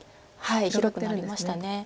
広くなりました。